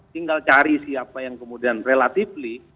tinggal cari siapa yang kemudian relatively